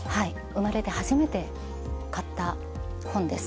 生まれて初めて買った本です。